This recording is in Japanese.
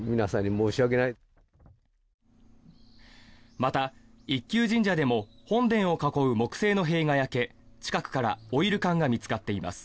また、一宮神社でも本殿を囲う木製の塀が焼け近くからオイル缶が見つかっています。